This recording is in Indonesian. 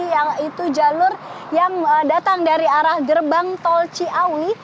yaitu jalur yang datang dari arah gerbang tol ciawi